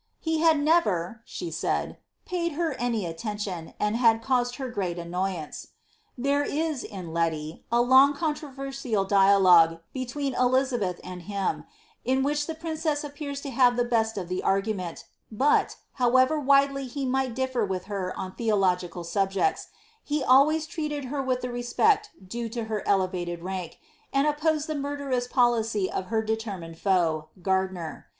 ^ He had never," she said, *' paid her any attention, and had caused her ereat annoyance." There is, in Leli, a long controversial dialogue be tween Elizabeth and him, in which the princess appears to have the best cf ilie ar^ument^ but, however widely he might differ with her on theo loofiral subjects^ he always treated her with the respect due to her ele vated rank, and opposed the murderous policy of her determined foe, Gardiner.